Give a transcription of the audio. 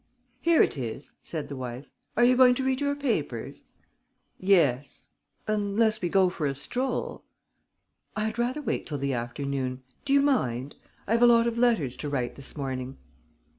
"Here it is," said the wife. "Are you going to read your papers?" "Yes. Unless we go for a stroll?..." "I had rather wait till the afternoon: do you mind? I have a lot of letters to write this morning."